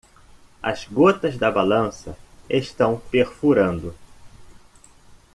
As gotas da balança estão perfurando.